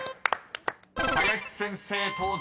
［林先生登場。